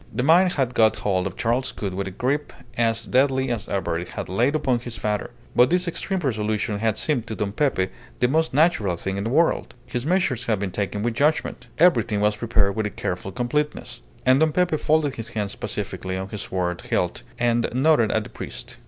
The mine had got hold of Charles Gould with a grip as deadly as ever it had laid upon his father. But this extreme resolution had seemed to Don Pepe the most natural thing in the world. His measures had been taken with judgment. Everything was prepared with a careful completeness. And Don Pepe folded his hands pacifically on his sword hilt, and nodded at the priest.